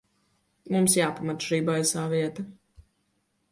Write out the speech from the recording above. Mums jāpamet šī baisā vieta.